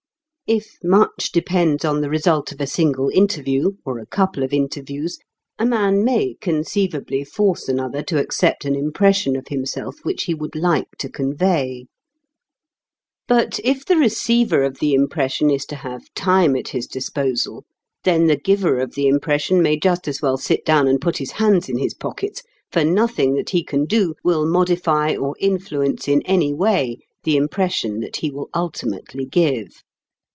If much depends on the result of a single interview, or a couple of interviews, a man may conceivably force another to accept an impression of himself which he would like to convey. But if the receiver of the impression is to have time at his disposal, then the giver of the impression may just as well sit down and put his hands in his pockets, for nothing that he can do will modify or influence in any way the impression that he will ultimately give.